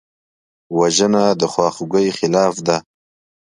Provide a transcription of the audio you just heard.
وژنه د خواخوږۍ خلاف ده